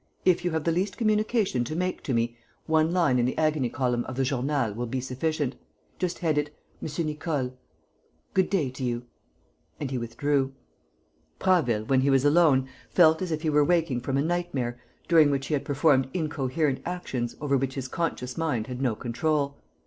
If you have the least communication to make to me, one line in the agony column of the Journal will be sufficient. Just head it, 'M. Nicole.' Good day to you." And he withdrew. Prasville, when he was alone, felt as if he were waking from a nightmare during which he had performed incoherent actions over which his conscious mind had no control.